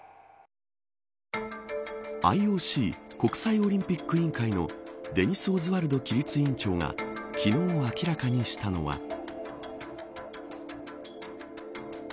ＩＯＣ国際オリンピック委員会のデニス・オズワルド規律委員長が昨日、明らかにしたのは。